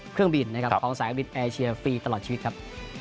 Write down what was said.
เครื่องบินนะครับพร้อมสายเครื่องบินแอร์เชียร์ฟรีตลอดชีวิตครับ